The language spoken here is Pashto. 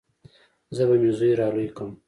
زه به مې زوى رالوى کم.